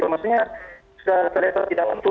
maksudnya sudah terlihat tidak mampu